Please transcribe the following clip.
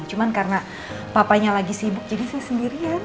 cuma karena papanya lagi sibuk jadi saya sendirian